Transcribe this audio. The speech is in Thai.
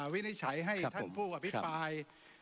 วินิจฉัยให้ท่านผู้อภิปราย